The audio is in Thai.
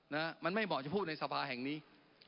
นะฮะมันไม่เหมาะจะพูดในสภาแห่งนี้